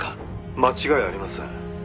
「間違いありません」